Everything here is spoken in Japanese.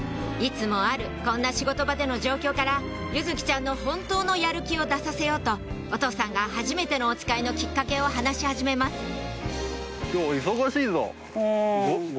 いつもあるこんな仕事場での状況から柚來ちゃんの本当のやる気を出させようとお父さんがはじめてのおつかいのきっかけを話し始めます